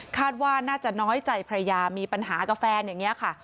ว่าน่าจะน้อยใจภรรยามีปัญหากับแฟนอย่างนี้ค่ะ